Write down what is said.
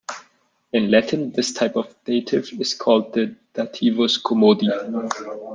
In Latin this type of dative is called the "dativus commodi".